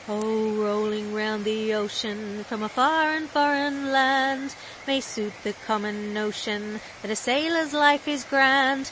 'Oh, rolling round the ocean, From a far and foreign land, May suit the common notion That a sailor's life is grand.